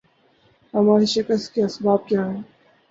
ہماری شکست کے اسباب کیا ہیں